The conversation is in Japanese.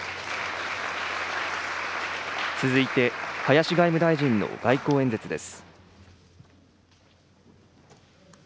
続いて、林外務大臣の外交演説です。